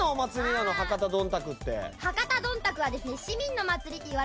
博多どんたくって。